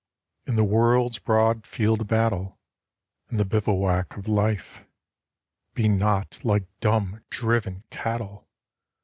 In the world's broad field of battle, In the bivouac of Life, Be not like dumb, driven cattle